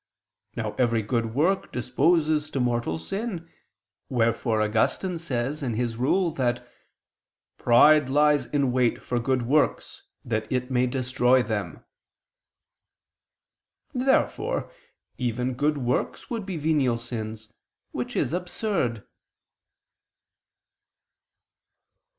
Now every good work disposes to mortal sin; wherefore Augustine says in his Rule (Ep. ccxi) that "pride lies in wait for good works that it may destroy them." Therefore even good works would be venial sins, which is absurd.